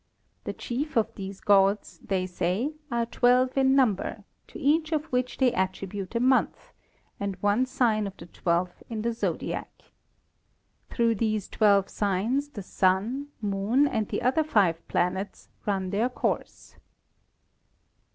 The chief of these Gods, they say, are Twelve in number, to each of which they attribute a Month, and one Sign of the Twelve in the Zodiack. Through these Twelve Signs the Sun, Moon, and the other Five Planets run their Course."